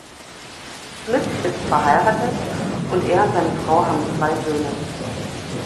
Smit ist verheiratet und er und seine Frau haben zwei Söhne.